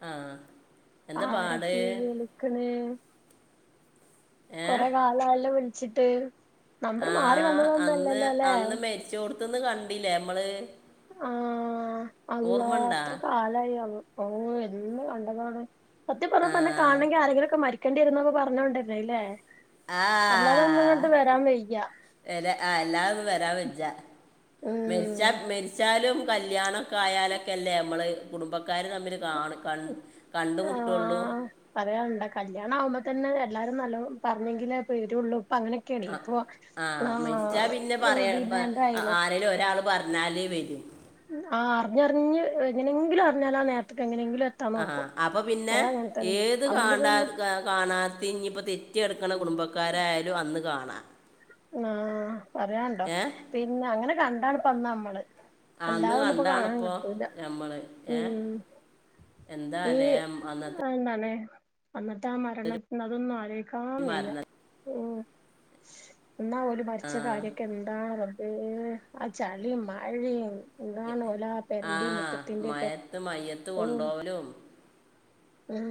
ആ എന്താ ആരാ പാട് ഇപ്പൊ ഈ വിളിക്ക്ണേ ഏ കൊറെ കാലായല്ലോ വിളി ച്ചിട്ട് ആ അന്ന് അന്ന് മെരിച്ചോട്ത്ത്ന്ന് കണ്ടില്ലേ മ്മള് ആ അളളാ ഉണ്ടാ എത്ര കാലായി [unintelligible] ഓ എന്ന് കണ്ടതാണ് സത്യം പറഞ്ഞാ ആ പ്പൊ അന്നെ കാണെണെങ്കി ആരെങ്കിലൊക്കെ മരി ക്കേണ്ടി വരൂന്നപ്പൊ പർഞ്ഞോണ്ടര്ന്നെ ല്ലേ ആ വയ്യ വരാ ആ അല്ലാതൊന്നും വരാൻ വജ മെരിച്ചാ ഉം മെരിച്ച ന്നാലും കല്യാണം കായാലെക്ക ല്ലേ അമ്മള് കുടുംബക്കാര് തമ്മില് കാണ് കണ്ട് കണ്ടുമുട്ടൊള്ളൂ ആഹ് പറയാനുണ്ട കല്യാണം ആവുമ്പോ തന്നെ എല്ലാരും നല്ലോ പറഞ്ഞെങ്കിലേ വെരൊള്ളൂ ആ ആ മെരിച്ചാ പിന്നെ പറയാ ഡിമാൻഡ് ആയില്ലേ ആരെലും ഒരാള് പറ ഞ്ഞാല് വെരും ആ അറിഞ്ഞറിഞ്ഞ് എങ്ങനെങ്കിലും അറിഞ്ഞാലാ നേരത്തക്ക് എങ്ങനെങ്കില ആ അപ്പൊ പിന്നെ ഏത് അതുകൊണ്ട് കാണ്ടാ പിന്നെ കാണാത്ത ഇനിയിപ്പോ തെറ്റിനടക്കണ കുടുംബക്കാരായാലും അന്ന് കാണാം ആ പറയാനൊണ്ടോ ഏ പിന്നെ അങ്ങനെ കണ് താണ് പന്ന [unintelligible] മ്മള് അന്ന് കണ്ടാണപ്പൊ ഞമ്മള് ഏ ഉം എന്താ ഈ അല്ലേ അന്നത്തെ ആ നാനേ [unintelligible] അന്നട്ട് ആ മരണത്തിന്തൊന്നും [unintelligible] അത ക്കാൻ വയ്യ മരണ മം എന്നാ ഓല് ആ മരിച്ച കാര്യവൊക്കെ എന്താ [unintelligible] ഏ ആ ചളിം മഴേം ആഹ മയത്ത് മയ്യത്ത് ഉം കൊണ്ടോവലും ഉം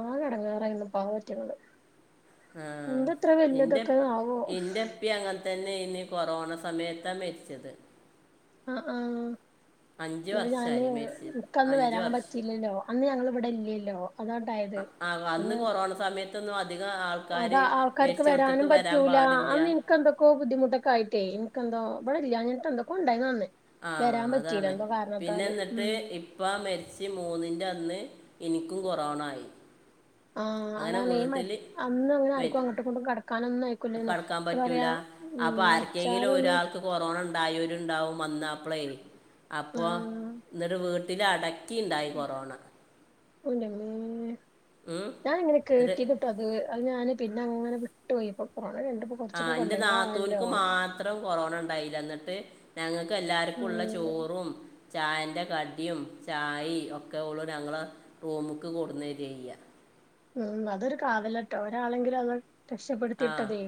ആങ്ങടങ്ങറങ്ങുന്ന പാവറ്റങ്ങ ആഹ എന്റെ എന്റെപ്പ്യ അങ്ങ [unintelligible] തന്നെ ഇനി കൊറോണ സമയത്താണ് മരിച്ചത് ആഹ അഞ്ച് ആഹ ഞാന് വർഷമായി മരിച്ചത് നിിക്കന്ന് അഞ്ച് വരാൻ വർഷം പറ്റില്ലല്ലോ അന്ന് ഞങ്ങള് അവിടെല്ലല്ലോ ആ അന്ന് കൊറോണ സമയത്ത് ധവാം [unintelligible] അതാ ആൾക്കാർക്ക് വരാനും വരാൻ പറ്റൂല പാടില്ല അന്ന് എനക്ക്െന്തൊക്കോ ബുദ്ധിമുട്ടൊക്കെ ആയിട്ടേ എനിക്കെന്തോ അവിില്ല അട്ട എന്തക്ക ഉണ്ടായിരുന്നു തന്നെ ആ് അതാണ് പിന്നെ എന്നിട്ട് ഉം ഇപ്പ മെരിച്ച് മൂന്നിന്റെ അന്ന് എനിക്കും കൊറോണ ആയി ആ അങ്ങനെ അതണ അന്ന് അങ്ങനെ ആർക്കും അങ്ങോട്ടും കൊണ്ടും കട കടക്കാൻ പറ്റൂല ഉം അപ്പൊ ആർക്കെങ്കിലും മച്ചാലൊന്നും ഒരാൾക്ക് കൊറോണ ഉണ്ടായ ഒരു ഉണ്ടാവും മന്നാ പ്ലേ അപ്പോൾ ആഹ് എന്നരു വീട്ട ഇതി അട ക്കിുണ്ടായി കൊറോണ ഉം ഉം. ൻ എനക്ക് എന്നിട്ട് കീ കട്ടത് അത്ഞ പിന്നെ അങ്ങനെ വിട്ടു പോോയി ഇൊറ ആ എന്റെ നാത്തൂന്ക്ക് മാത്രം കൊറോണ ഇണ്ടായില്ല ന്നിട്ട് ഞങ്ങ ക്ക് എല്ലാർക്കുള്ള ഉം ചോറും ചായന്റെ കടിയും ചായി ഒക്കെ ഒള്ളൂ ഞങ്ങളെ റൂമക്ക് കൊട്ന്ന് തരയ്യ ഉം അതൊരു കാവലാട്ടോ ഒരാളെങ്കിലും അത് ആ രക്ഷപ്പെെടുത്തിയിട്ടതേ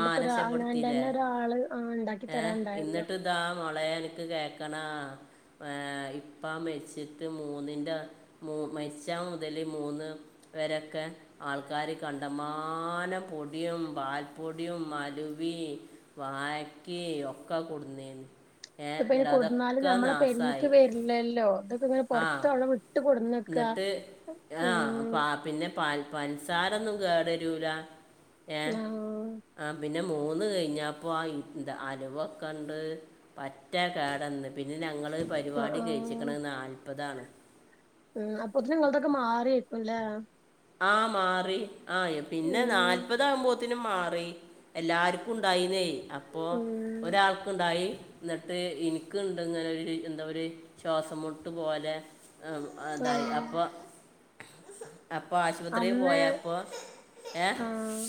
ആ രക്ഷപ്പെടുത്തിയില്ലേ അവനാന്റെന്നെ ഒരാള് ഇണ്ടാക്കി ഏ തരാണ്ടായല്ലോ ന്നിട്ട് ഇതാ മളെ അൻക്ക് കേക്കണാ? ഏ ഇപ്പം വെച്ചിട്ട് മൂന്നിന്റെ മൂ മെച്ചാ മുതല് മൂന്ന് വരെക്കെ ആൾക്കാര് കണ്ടമാനം പൊടിയും പാൽപ്പൊടിയും അലുവിം വായ ക്കെ ഒക്കെ കൊട്ന്നീനി. ഇപ്പയ്നെ കൊടന്നാലും നമ്മളെ പെരീക്ക് വരി ങ്ങനെ ആ പൊറത്തോടെ വിട്ട് കൊടന്നക്ക എന്നിട്ട് ഉം പൻസാരൊന്നും കേടരൂല. ഏഹ് ആഹ് ആ പിൻ പിന്നെ മൂന്ന് കൈഞ്ഞപ്പോ ആ ഇ ന്ത അലുവൊക്കണ്ട് പറ്റെ കേടന്ന് ങ്ങള് ആഹ് പരിപാടി ആഹ് കൈച്ചിക്ക്ണ് നാൽ പ്പതാണ്. ഉല്ല ആ മാറി ആഹ് പിന്നെ ഉം നാല്പതാവുമ്പോ ത്തിന് മാറി എല്ലാർക്കുണ്ടായീന്നേ അപ്പോ ഉം ഒരാൾക്ക്ണ്ടായി ന്നട്ട് ഇന്ക്ണ്ട് ങ്ങനൊര് എന്തൊ ര് ശ്വാസംമുട്ട് പോലെ അം അതായി ആഹ് അപ്പം അപ്പോ ആശുപത്രീൽ അന്ന് പോയപ്പോ ഏഹ് ആഹ്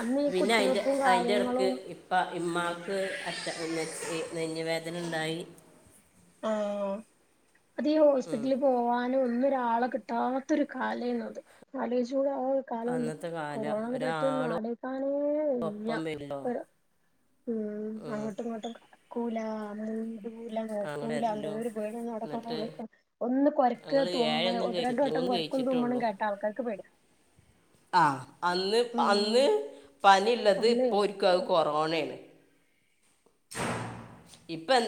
അന്ന് ഈ പിന്നയ്ൻ്റെ കുത്തിവെപ്പും അയ്ന്റെട്ക്ക് കാര്യങ്ങളും ഇപ്പ ഇമ്മാക്ക് അറ്റ ന്നെ നെഞ്ഞ് വേദന ണ്ടായി ആഹ് അതീ ഉം. ഹോസ്പിറ്റലിൽ പോവാൻ നും ഒന്നു ഒരാളെ കിട്ടാതൊരു കാലേന്നു അത്. അലോയ് ചൂടാ. ആ കാലൊന്നും അന്നത്തെ കാലം കൊറോണനെ പറ്റിയൊന്നും ഒരാൾ അലോയ്ക്കാനേ വയ്യ. ഒപ്പം വരില്ലോ പ്പ ഉം അങ്ങട്ടും ഇങ്ങട്ടും [unintelligible] ക്കൂല്ല [unintelligible] അങ്ങനെ ണ്ടൂല്ല. വരല്ലോ എന്തോര് പേട്യ ന്ന് അവ്ടെ എന്നിട്ട് കൊറോണ്യൊക്കെ ഒന്ന് കൊരക്കെ ഞങ്ങൾ തുമ്മെ ഏഴൊന്നും ഒന്ന് രണ്ട് കഴിച്ചിട്ടില്ല വട്ടം മൂന്ന് കൊര്ക്കും തുമ്മ്ണും കഴിച്ചിട്ടുള്ളൂ കേട്ട ആൾക്കാർക്ക് പേട്യ. ആഹ് അന്ന് ഉം അന്ന് പനിള്ളത് അന്നേ പ്പോർക് അഹ് കൊറോണെണ് ഇപ് പ്പം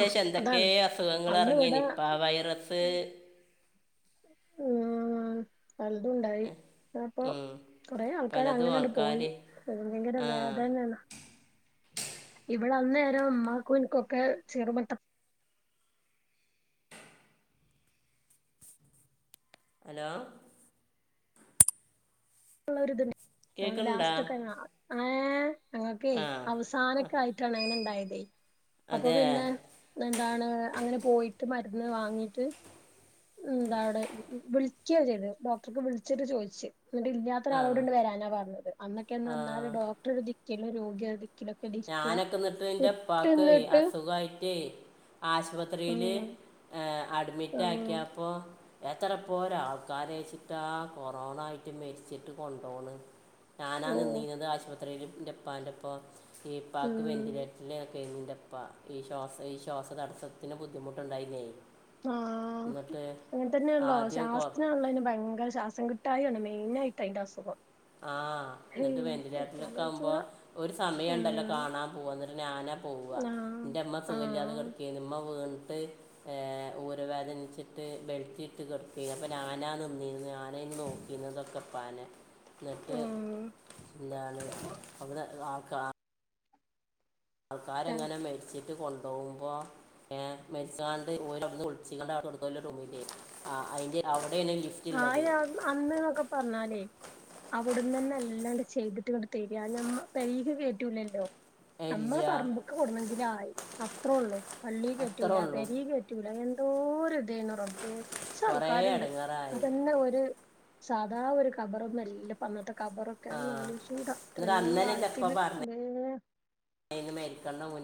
ആഹ് എന്തെക്കേ അതാണ് അസുഖങ്ങൾ അന്ന് എർങ്ങി ഇവിടെ നിപ്പാ വൈറസ്, പല്തും ണ്ടായി അപ്പൊ ഉം കൊറേ ആൾക്കാര് പലതും അങ്ങനാണ്ട് ആൾക്കാർ പോയി. ഭയങ്കര ആ വേദനെന്നെ വടെ അന്നേരം മ്മാക്കു ൻക്കൊക്കെ ചെറുമട്ട ഹലോ ള്ളൊര്ത്ണ്ട് ആഹ് കേൾക്കുന്നുണ്ടോ ലാസ്റ്റോക്കെയ്ന്നോ ഏ അങ്ങക്കെ ആ അവസാനൊക്കായിട്ടാണ് അങ്ങനെ ണ്ടായത് എയ് അപ്പൊ അതെ പിന്നെ എന്താണ് അങ്ങനെ പോയിട്ട് മ വാങ്ങീട്ട് എന്താവ്ടെ വിൾക്ക്യ ചെയ്തെ ഡോക്ടർക്ക് വിൾച്ചിട്ട് ചോയ്ച്ച് ന്നിട്ട് അത്ര ആ അളോടുണ്ട് വരാനാ പറഞ്ഞത് അന്നൊക്കെന്ന് ആ പറഞ്ഞാല് ഡോക്ടറൊര് ദി ക്കുന്ന രോഗിയാത്. ഞാനൊക്കെ ഇന്നട്ട് എന്റെ ഉപ്പാക്ക് നിന്നിട്ട് അസുഖായിട്ടേ ആശുപത്രിയില് ഉം ഏ അഡ്മിറ്റ് ആഹ് ആക്കിയാപ്പോ എത്രപ്പോരാ ആൾക്കാരാച്ചിട്ടാ കൊറോണ ആയിട്ട് മെരിച്ചിട്ട് കൊണ്ടോണ് ഞാനാ ഓഹ് നിന്നീനത് ആശുപ ല് ന്റെ ഉപ്പാന്റെ ഒപ്പോ ഈപ്പാക്ക് ഉം വെന്റിലേറ്ററിലൊക്കെയ്ര്ന്ന് ന്റെ ഇപ്പ ഈ ശ്വാസ ഈ ശ്വാസതടസ്സത്തിന് ബുദ്ധിമുട്ടുണ്ടായിന്നേ ആ അങ്ങനെ തന്നെയാണല്ലോ. ആദ്യം കൊറ ശ്വാസാണല്ലോ അയ്ന് ഭയങ്കര ശ്വാസം കിട്ട ട്ടായാണ്‌ മെയിനായിട്ടയിന്റെ അസുഖം ആ ന്നിട്ട് ഹയ്യോ വെന്റിലേറ്ററിലൊക്കെ ആവുമ്പോ ആലോചിച്ചൂടാ ഒരു സമയണ്ടല്ലോ ഉം കാണാൻപൂവാൻ. ന്നിട്ട് ഞാനാ പൂവാ. ആഹ് ന്റെ ഇമ്മ സുഖല്യാതെ ആഹ് കിടക്കേയ്ന്നു വീണ് ട്ട് ഊര വേദനിച്ചിട്ട് ബെൽറ്റിട്ട് കെടക്കേർന്നു. അപ്പ ഞാനാ നിന്നിരുന്നു ഞാനേയിരുന്ന് നോക്കിയിരുന്നതൊക്കെപ്പാനേ ന്നിട്ട് ഉം ന്താണ് അവിടെ കാ ആൾക്കാരങ്ങനെ മെരിച്ച കൊണ്ടവുമ്പോ ഏ മെരിച്ചാണ്ട് [unintelligible] ആ അയിന്റെ അവ ആ അയ്‌ന് അന്ന്ന്നൊക്കെ പറഞ്ഞാലേ അവിടന്ന്ന്നെ ല്ലാണ്ട് ചെയ്തിട്ട് ഇങ്ങട് തരാ ഞമ്മ പെരേൽക്ക് കേറ്റൂല്ലല്ലോ. നമ്മള ഇല്ല പറമ്പുക്കെ കൊടുന്നെങ്കില ആയി അത്രേള്ളൂ. പള്ളി അത്രേ കേറ്റൂല. ഉള്ളൂ പെരേ കേറ്റൂല എ എന്തൊരു റബ്ബേ കുറച്ച് കുറേ ആൾക്കാരുണ്ട് ഇടങ്ങാറായി അതന്നെ ഒര് സാദാ ഒരു ഖബറൊന്നുംല്ലല്ലോ പ്പ അന്നത്തെ ഖബറൊക്കെ ആ നാല് വശവും എന്നിട്ട് അത്രയും അന്നലെ എൻ്റെ അപ്പ ആഴത്തില് പറഞ്ഞു ല്ലേ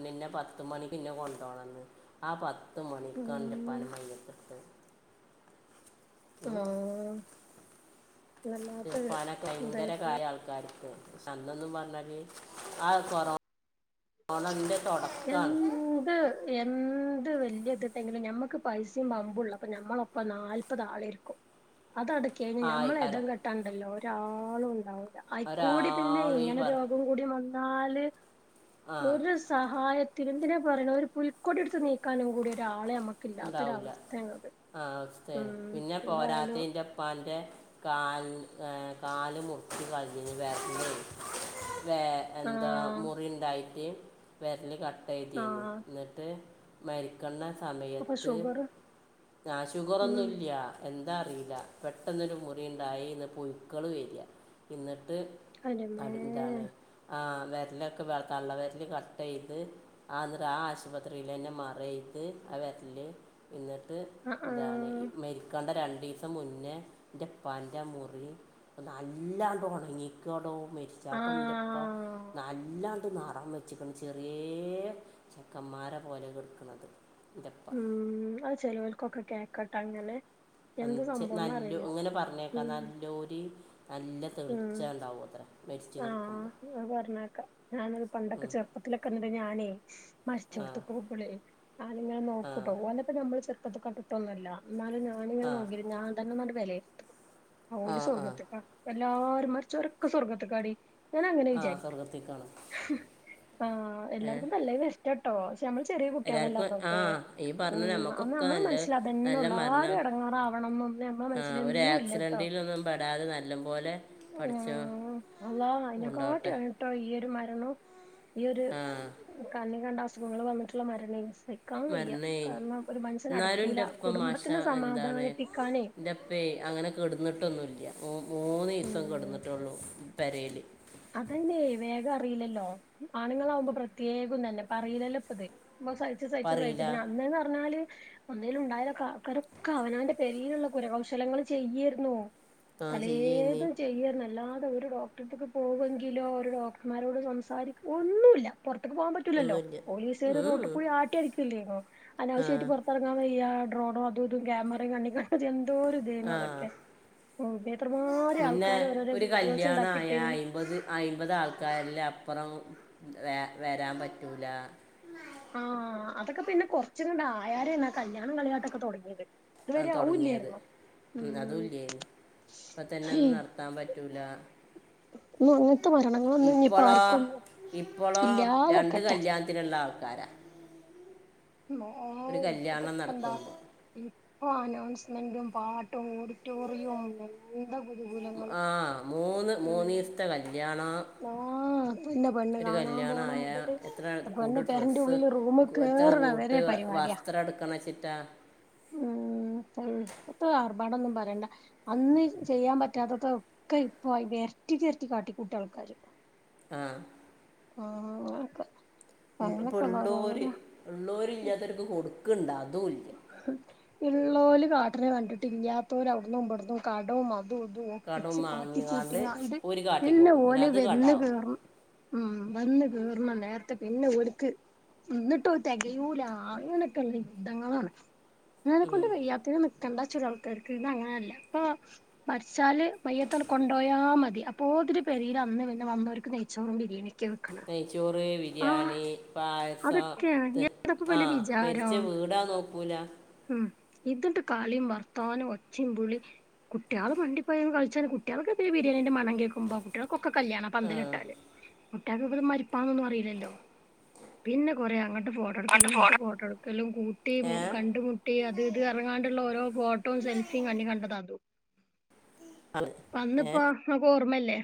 ന്നെ പത്ത്മണിക്ക്‌ ന്നെ കൊണ്ടോണംന്ന് ആ പത്തു പത്തുമണിക്ക് ന്റെ ഉം ഉപ്പാന്റെ മയ്യത്ത് ഇടുത്തത്. ആ ന്റെപ്പാനൊക്കെ ഭയങ്കര പോയി കാര്യാ ആള്ക്കാര്ക്ക് ക്ഷേ അന്നൊന്നും പറഞ്ഞാല് ആ കൊറോ ണന്റെ എന്ത് എ വല്യയത്ണ്ടേങ്കിലും ഞമ്മക്ക് പൈസയും വമ്പുള്ളപ്പോ ഞമ്മളൊപ്പം നാല്പത് ആളേരിക്കും അതങ്ങട് കയിഞ്ഞു ഞമ്മളെ ആയിക്കാര എടം കെട്ടാണ്ടല്ലോ രാളു ഉണ്ടാവു അയിക്കൂടി പിന്നെ ഒരാളും ഈ ഇങ്ങനെ പറ രോഗം കൂടി നാല് ആ ഒരുസാ [unintelligible] എന്തിനാ പറിണ ഒരു പുൽക്കൊടി എടുത്ത് നീക്കാനും കൂടി ഒരാ ഉണ്ടാവില്ല ആ അവസ്ഥേ ഉം പിന്നെ എന്തായാലും പോരാത്തന്റെപ്പാന്റെ കാൽ ഏ കാല് മുറച്ച് കളഞ്ഞഞ്ഞ് വേര ല് വേ എന്താ ആഹ് മുറി ഉണ്ടായി ഞ് വെരല് ക [unintelligible] ആഹ് ഇന്നട്ട് മരിക്കുന്ന സമയം അപ്പൊ ത്ത് ഷുഗർ ആഹ് ഉം ഷുഗറൊന്നുല്ല്യ എ ഇതറിയില്ല പെട്ടെന്നൊരു മുറിണ്ടായി ഇന്ന് പുഴുക്കള് വരിക ഇന്ന് അന്റമ്മേ അത് [unintelligible] ഇതാണ് ആ വെരലൊക്കെ വ തള്ള വെര്ല് കട്ടയ്ത് ആ ന്നട്ട് ആ ആശുപത്രിയിലന്നെ മറ ചെയ്ത് അ വെര് [unintelligible] ഇന്ന ആഹ് എന്താണ് ആഹ് മരിക്കേണ്ട രണ്ട് രണ്ട്ദിവസം മുന്നേ ജപ്പാൻ്റെ മുറി ഒ നല്ലാണ്ട് ഉണങ്ങിക്കടും മെരിച്ചാ പെണ്ണിന്റെപ്പ ആഹ് നല്ലാണ്ട് ന കം വെച്ചിട്ടാണ് ചെറിയ ചെക്കന്മാര പോലെ എടുക്കുന്നത് ഇ ഉം അത് ശെരി ഒക്കൊക്കെ കേക്ക് കട്ടാനനെ അം ചെ നല്ലൊ ഇങ്ങനെ പറഞ്ഞേക്കാ ഉം നല്ലൊര് നല്ല തെളിച്ച ഇണ്ടാവു അത്രേ ആ അത് പറഞ്ഞേക്ക ഞാനത് പണ്ടൊക്കെ ചെറുപ്പത്തിലൊക്കെന്ന ട്ട് ഞാനേ ആ മരിച്ചോട്ത്ത്ക്ക് പോകുമ്പളേ ഞാന്ങ്ങനെ ആ നോക്കുട്ടോ ഓനപ്പം ഞമ്മൾ ചെർ [unintelligible] കണ്ടിട്ടൊന്നുംല്ല എന്നാലും ഞാനിങ്ങെ ആ നോക്കി ഞാ തന്ന വിലയ ആ ഓല് ആ സ്വർഗത്ത്ക്ക ല്ലാരും മരിച്ചോരൊക്ക സ്വർഗ [unintelligible] ഞാൻഅങ്ങനെ ആ വിചാരിക്കാം സ്വർഗത്തിൽ കാണും ആ ഏ എല്ലാർക്കും നല്ലഇഷ്ട [unintelligible] നമ്മൾ ചെറിയ കുട്ടികളല്ല എല്ലാവർക്കും ആ അതൊക്കെ ഈ ഉ പറഞ്ഞ അന്ന് നമുക്കൊക്കെ നമ്മൾ നല്ല മനസ്സില അതന്നെ നല്ല ഉള്ള ആരും മരണം ഇടങ്ങാറാവണം എന്നൊന്നും നമ്മെ ആ മനസ്സിലൊന്നും ഇല്ല ട്ടോ ല്ലം പോലെ പഠച്ചോ അള്ളാ അയിനെക്കാട്ടിയാണ് ട്ടോ ഈ ഒരു മ [inaudible] ഈ ഒരു ആ കാല രണ്ട് അസുഖങ്ങൾ വന്നിട്ടുള്ള മരണേനി മരണേ എന്നാലും അടക്കൂല എന്റെപ്പ മാഷാ കുടുംബത്തിനെ എന്താണ് സമാധാനിപ്പിക്കാനേ ഇൻ്റെപ്പേ അങ്ങനെ കെടുന്നിട്ടൊന്നുല്ല [inaudible] മൂന്നീസം ഉം കിടന്നിട്ടുള്ളൂ പെരേൽ അതന്നെ വേഗം അറിയില്ലല്ലോ ആണുങ്ങളാവുമ്പോ പ്രത്യേകം തന്നെ പറയില്ലല്ലോ ഇപ്പത് അ സഹിച്ചു സഹിച്ചു സഹച്ച പറയില്ല പിന്നെ അന്ന്ന്ന് പറഞ്ഞാല് ഒന്നിലുണ്ടായാലൊക്കെ ആക്കാരൊക്കെ അവനവന്റെ പേരിയിലുള്ള കുരകൗശലങ്ങൾ ചെയ്യേരുന്നൂ ആ ചെയ്യുന്നേ പലേതും ചെയ്യേര്ന്നു എല്ലാ ഒരു ഡോക്ടർക്ക് ഇ പോകുമെങ്കിലോ ഒരു ഡോക്ടർമാരോട് സംസാരിക്ക ഒന്നുല്ല പൊറത്ത്ക്ക് പോകാൻ പറ്റൂലല്ലോ ഒന്നുമില്ല പോലീസ്കാര് ഉം. റോട്ട് കൂടെ ആട്ടി അടിക്കല്ലേനോ ആ അനാവശ്യായിട്ട് പൊറത്തെങ്ങാൻ വയ്യ ഡ്രോണോ അതും ഇതും ക്യാമറിം കണ്ണിക അതെന്തോരു ഇതേന്നു ആ അതൊക്കെ ഓ എത്രമാരി ആൾക്കാരെ ഓരോരോ വീഡിയോസ് ഇണ്ടാക്കി ഇട്ടിന്നെ അമ്പത് അയിമ്പത് ആൾക്കാരില്ല അപ്പറം വ വരാൻ പറ്റൂല ആഹ് അതൊക്കെ പിന്നെ കൊറച്ച്ങ്ങട്ട് ആയാരെണ് ആ കല്യാണം കളിയാട്ടൊക്കെ തൊടങ്ങിയത് ആ ഇതുവരെ തൊടങ്ങിയത് അവുല്ലേരുന്നു ഉം അതുല്ലേനി ഇപ്പ തന്നെ ഒന്നും ഇനി നടത്താൻ പറ്റൂല അങ്ങനത്തെ മരണങ്ങളൊന്നും ഇനിയിപ്പ ഇപ്പളോ ആർക്കൊന്നും ഇപ്പളോ രണ്ട് ഇല്ലാതെക്കട്ടെ കല്യാണത്തിന്ള്ള ആൾക്കാരാ ഒരു കല്യാണം നടത്തുമ്പോൾ ഓ അനൗൺസ്മെന്റും പാട്ടും ഓഡിറ്റോറിയവും എന്താ ഗുരുകുലങ്ങള് ആഹ് മൂന്ന് ഉം മൂന്നീസ്ത്തെ കല്യാണം ആ പിന്നെ പെണ്ണ് കാണാൻ പോണ മുതല് പെണ്ണ് കൂട്ട് പേരന്റെ ഡ്രസ്സ് ഉള്ളില് റൂമിൽ എത്ര കേറ്ണ വരെ കൂട്ട് പരിപാടിയാ വസ്ത്രം എടുക്കണം വെച്ചിട്ടാ ഉം പ ണ്ടൊന്നും പറയണ്ട അന്ന് ചെയ്യാൻ പറ്റാത്തതൊക്കെ ഇപ്പൊ ഇരട്ടിൻ്റെരട്ടി കാട്ടി കൂട്ടാണ് ക്കാര് ആഹ് ആഹ് ഒക്കെ ഇപ്പൊ ഉള്ളോര് ഉള്ളോര് ഇല്ലാത്തോർക്ക് കൊടുക്ക്ണ്ടാ അതുംല്ല [unintelligible] കണ്ടിട്ട് ഇല്ലാത്തോല് അവിട്ന്നും ഇവ്ട്ന്നും കാടോ മാ കടം ഒപ്പിച്ച് വാങ്ങിക്കാണ്ട് കാട്ടിക്കൂട്ടിങ്ങാട്ട് ഒരു കാട്ടി പിന്നെ കൂട്ടും അല്ല ഓല് അത് കടാവും വെന്ന്കേർ വെന്ന് [unintelligible] നേരത്ത് പിന്നെ ഓല്ക്ക് എന്നിട്ടും അത് തെകയൂല. അങ്ങനൊക്കൊള്ള യുദ്ധങ്ങളാണ്. ഇന്നലെ കൊണ്ട് ഉം. വയ്യാത്തേന്ന്. കണ്ട ചുലാൾക്കാർക്ക് ഇന്ന് അങ്ങനെയല്ല. ഇപ്പൊ മരിച്ചാല് മയത്താണ്ട് കൊണ്ടോയാ മതി. അപ്പോത്തിരി പെരേല് ഇന്ന് പിന്നെ വന്നോർക്ക് നെയ്ച്ചോറും ബിരിയാണിയും. നെയ്ച്ചോറ് ബി ബിരിയാണി, പായസം അതൊക്കെയാണ് ഏതാപ്പ ആ ഇവലെ മരിച്ച വിചാരം വീടാ നോക്കൂല. ഉം ഇതുണ്ട് കളിയും വർത്താനോം ഒച്ചയും വിളി. കുട്ട്യാള് വണ്ടി പോയ കളിച്ചേനേ കുട്ടികൾക്ക് പ്പ ബിരിയാണിന്റെ മണം കേക്കുമ്പോ കുട്ടികള്. ഒക്കെ കല്യാണ ആ പന്തല ഇട്ടാല് കുട്ട്യാക്ക് ഇപ്പ മരിപ്പാനൊന്നുമറിയി ലല്ലോ. പിന്നെ കൊറേ അങ്ങട് ട്ട് ഫോട്ടോ എടുക്കലും ഇങ്ങോട്ട് ഫോട്ടോ എടുക്കലും. കൂട്ടിയും ഏ കണ്ടുമുട്ടിയും അതുമിത് ഇറങ്ങാണ്ടുള്ള ഓരോ ഫോട്ടോവും സെൽഫിയും കണ്ണിക്കണ്ടത് അതും. അത് ഏ അന്നിപ്പോ എനക്ക് ഓർമ്മയി ല്ലേ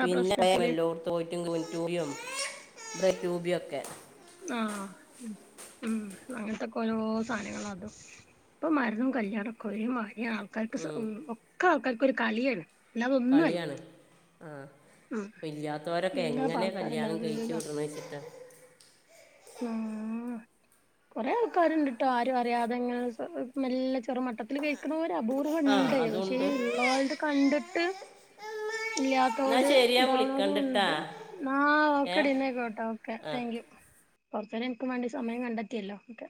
പിന്നെ [unintelligible] വല്ലൊടുത്തും പോയിട്ട് [unintelligible] ഇവടെ ട്യൂബിയൊക്കെ ആഹ് ഉം ഉം അങ്ങനെത്തൊക്കെ ഓരോ സാധനങ്ങളതും. ഇപ്പൊ [unintelligible] കല്യാണൊക്കൊരേമാരി. ഈ ആൾക്കാർക്ക് സോ ഉം. ഒക്കെ ആൾക്കാര് ഒര് കളിയാണ്. അല്ലാതൊന്നുമല്ല കളിയാണ്. ആഹ് ഉം ഇപ്പൊ എന്താപ്പ ഇല്ലാത്തവരൊക്കെങ്ങനെ കല്യാണം ആൾക്കാരെല്ലാത് കഴിച്ചൂട്ട്ന്നെ വെച്ചിട്ടാ. [unintelligible] കെറെ ആൾക്കാരുണ്ടുട്ടോ ആരുമറിയാതെങ്ങനെ സ്വ മെല്ലെ ചെറു മട്ടത്തിൽ കേക്കണൊ അപൂർവം ആ ഒണ്ട്. പക്ഷേ അതുണ്ട് ഇള്ളോൾടെ കണ്ടിട്ട് എന്നാ ഇല്ലാത്തപ്പോലെ ശരി ഞാൻ വിളിക്കണ്ടിട്ടാ ഇണ്ടാവണതുമൊണ്ട് ഏ [unintelligible] കേട്ടോ ഓക്കെ ആ താങ്ക്യൂ. കൊറച്ചുനേരം എനക്കു വണ്ടി സമയം കണ്ടെ [unintelligible] ഒക്കെ